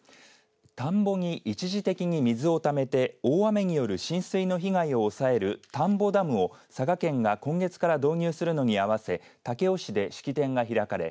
田んぼに一時的に水をためて大雨による浸水の被害を抑える田んぼダムを佐賀県が今月から導入するのに合わせ武雄市で式典が開かれ